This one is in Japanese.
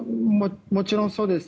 もちろんそうです。